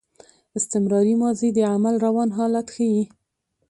استمراري ماضي د عمل روان حالت ښيي.